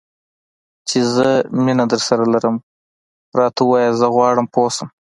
چې زه مینه درسره لرم؟ راته ووایه، زه غواړم پوه شم.